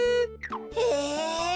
へえ。